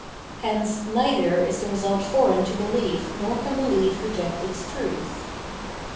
Hence neither is the result foreign to belief nor can behef reject its truth.